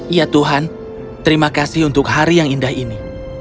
ya tuhan terima kasih untuk hari yang indah ini